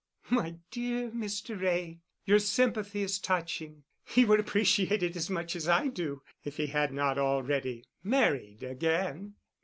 "My dear Mr. Wray, your sympathy is touching—he would appreciate it as much as I do—if he had not already married again."